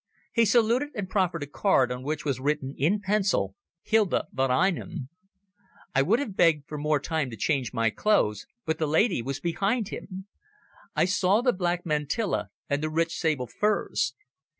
He saluted and proffered a card on which was written in pencil, "Hilda von Einem". I would have begged for time to change my clothes, but the lady was behind him. I saw the black mantilla and the rich sable furs.